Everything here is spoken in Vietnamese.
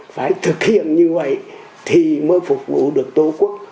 phải thực hiện như vậy thì mới phục vụ được tổ quốc